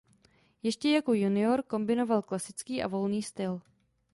Ještě jako junior kombinoval klasický a volný styl.